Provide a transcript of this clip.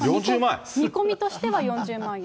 見込みとしては４０万円。